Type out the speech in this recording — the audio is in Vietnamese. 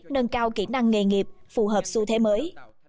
nâng cao kỹ năng nghề nghiệp phù hợp xu thế mới